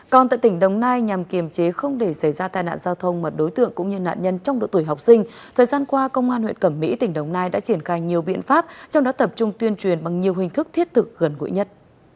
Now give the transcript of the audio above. còn tại tỉnh đồng nai nhằm kiềm chế không để xảy ra tai nạn giao thông mật đối tượng cũng như nạn nhân trong độ tuổi học sinh thời gian qua công an huyện cẩm mỹ tỉnh đồng nai đã triển khai nhiều biện pháp trong đó tập trung tuyên truyền bằng nhiều hình thức thiết thực gần gũi nhất